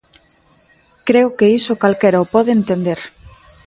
Creo que iso calquera o pode entender.